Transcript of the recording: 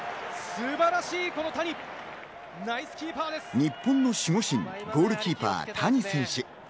日本の守護神ゴールキーパー・谷選手。